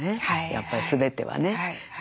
やっぱり全てはね。